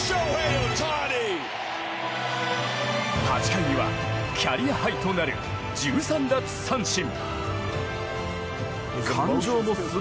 ８回にはキャリアハイとなる１３奪三振。